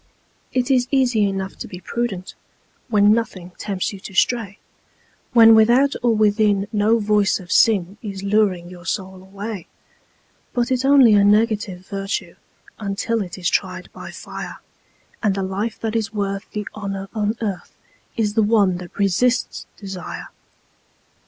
It is easy enough to be prudent When nothing tempts you to stray, When without or within no voice of sin Is luring your soul away; But it's only a negative virtue Until it is tried by fire, And the life that is worth the honour on earth Is the one that resists desire.